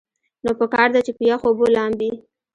نو پکار ده چې پۀ يخو اوبو لامبي -